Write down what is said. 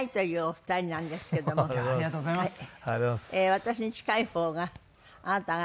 私に近い方があなたが兼近。